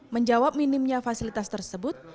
menjawab minimnya fasilitas tersebut